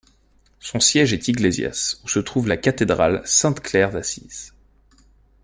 Son siège est Iglesias, où se trouve la cathédrale Sainte Claire d’Assise.